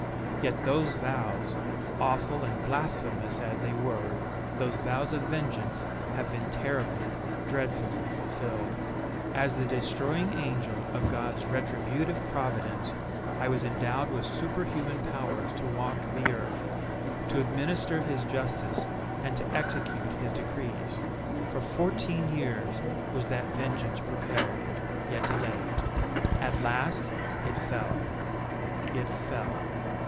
Yet those vows, awful and blasphemous as they were, those vows of vengeance have been terribly, dreadfully fulfilled! As the destroying angel of God's retributive providence, I was endowed with superhuman powers to walk the earth, to administer His justice and to execute His decrees. For fourteen years was that vengeance prepared, yet delayed. At last, it fell it fell.